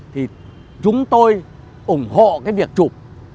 thì chúng tôi ủng hộ cái việc chụp